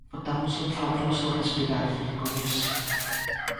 Botamos en falta o seu respirar, recoñece.